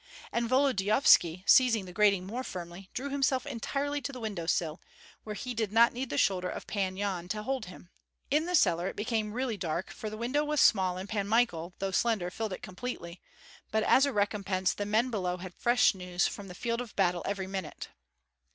And Volodyovski, seizing the grating more firmly, drew himself entirely to the window sill, where he did not need the shoulder of Pan Yan to hold him. In the cellar it became really dark, for the window was small and Pan Michael though slender filled it completely; but as a recompense the men below had fresh news from the field of battle every minute.